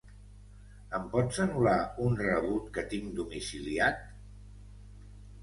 Em pots anul·lar un rebut que tinc domiciliat?